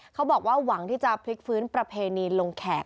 เขาบอกว่าหวังที่จะพลิกฟื้นประเพณีลงแขก